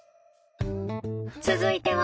続いては